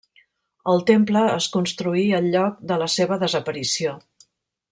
El temple es construí al lloc de la seva desaparició.